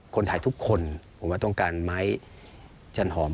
คนไทยทุกคนผมว่าต้องการไม้จันหอม